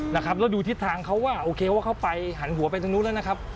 แล้วดูทิศทางเขาว่าโอเคเขาเข้าไปหันหัวไปตรงนู้นแล้ว